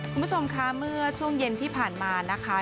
คุณผู้ชมคะเมื่อช่วงเย็นที่ผ่านมานะคะ